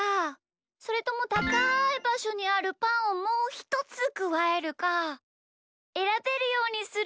それともたかいばしょにあるパンをもうひとつくわえるかえらべるようにするの。